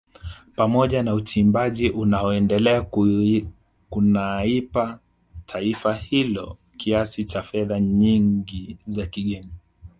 Pamoja na uchimbaji unaoendelea kunaipa taifa hilo kiasi cha fedha nyingi za kigeni